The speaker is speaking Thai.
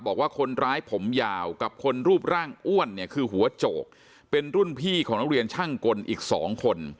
บอกว่าคนร้ายผมยาวกับคนรูปร่างอ้วนเนี่ยคือหัวโจกเป็นรุ่นพี่ของนักเรียนช่างกลอีกสองคน